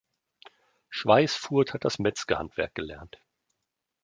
Schweisfurth hat das Metzger-Handwerk gelernt.